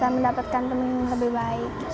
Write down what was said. mendapatkan teman yang lebih baik